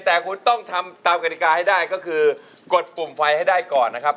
แต่คุณต้องทำตามกฎิกาให้ได้ก็คือกดปุ่มไฟให้ได้ก่อนนะครับ